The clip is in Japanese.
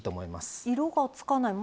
色がつかない。